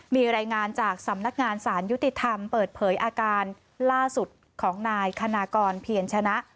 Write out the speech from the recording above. มีรายงานจากสำนักงานสารยุติธรรมเปิดเผยอาการล่าสุดของนายคณากรเพียรชนะ